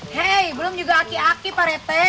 hei belum juga aki aki parete